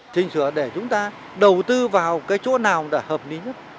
chính xửa để chúng ta đầu tư vào cái chỗ nào đã hợp lý nhất